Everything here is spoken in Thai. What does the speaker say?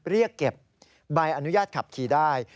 เรียกเก็บใบอนุญาตขับขี่ได้